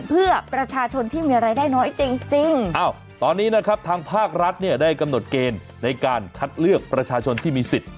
เพื่อประชาชนที่มีรายได้น้อยจริงจริงอ้าวตอนนี้นะครับทางภาครัฐเนี่ยได้กำหนดเกณฑ์ในการคัดเลือกประชาชนที่มีสิทธิ์